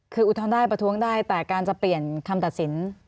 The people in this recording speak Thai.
คืออุทธรณ์ได้ประท้วงได้แต่การจะเปลี่ยนคำตัดสิน